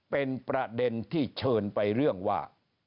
เป็นประเด็นที่เชิญไปเรื่องว่า